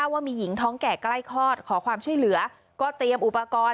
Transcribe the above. ว่ามีหญิงท้องแก่ใกล้คลอดขอความช่วยเหลือก็เตรียมอุปกรณ์